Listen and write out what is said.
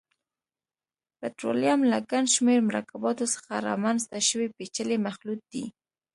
پټرولیم له ګڼشمېر مرکباتو څخه رامنځته شوی پېچلی مخلوط دی.